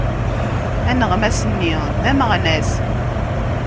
Aneɣmas-nni d ameɣnas.